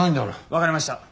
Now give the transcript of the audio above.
「わかりました」